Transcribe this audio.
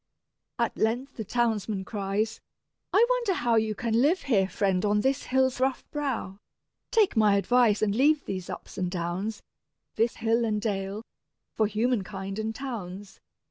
At length the townsman cries: "I wonder how You can live here, friend, on this hill's rough brow: Take my advice, and leave these ups and downs, This hill and dale, for humankind and towns.